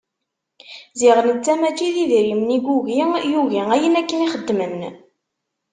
Ziɣ netta mačči d idrimen i yugi, yugi ayen akken i xeddmen.